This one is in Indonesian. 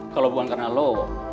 kalau bukan karena lo